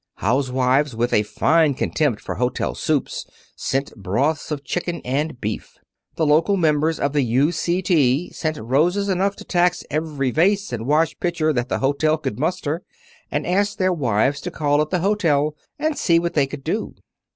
Housewives with a fine contempt for hotel soups sent broths of chicken and beef. The local members of the U. C. T. sent roses enough to tax every vase and wash pitcher that the hotel could muster, and asked their wives to call at the hotel and see what they could do.